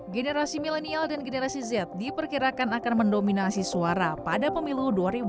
generasi milenial dan generasi z diperkirakan akan mendominasi suara pada pemilu dua ribu dua puluh